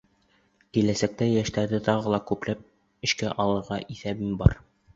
Киләсәктә йәштәрҙе тағы ла күпләп эшкә алырға иҫәбем бар.